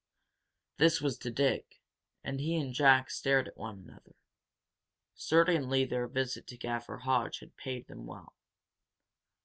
This was to Dick, and he and Jack stared at one another. Certainly their visit to Gaffer Hodge had paid them well.